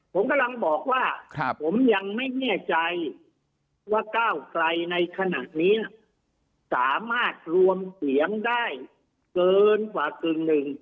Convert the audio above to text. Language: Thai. ผมกำลังบอกว่าผมยังไม่แน่ใจว่าก้าวไกลในขณะนี้สามารถรวมเสียงได้เกินกว่ากึ่งหนึ่ง